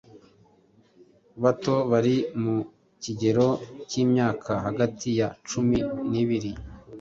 bato bari mu kigero k’imyaka hagati ya cumi n’ibiri